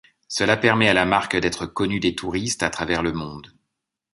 Cela permet à la marque d'être connue des touristes à travers le monde.